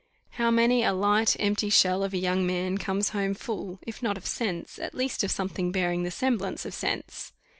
How many a light, empty shell of a young man comes home full, if not of sense, at least of something bearing the semblance of sense!